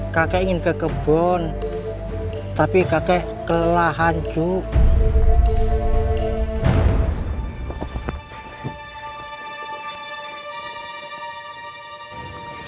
kakek ingin ke kebun tapi kakek kelelahan cuy